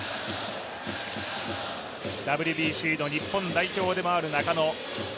ＷＢＣの日本代表でもある中野。